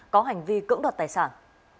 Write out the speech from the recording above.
có hành vi cưỡng đoạt tài sản